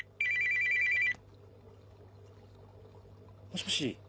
もしもし。